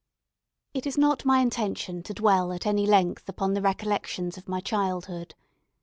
It is not my intention to dwell at any length upon the recollections of my childhood.